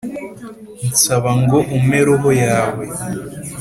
Nsaba ngo umpe roho yawe